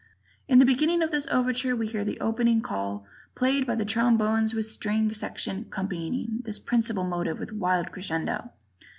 In the beginning of this overture we hear the opening call played by the trombones with the string section accompanying this principal motive with wild crescendo.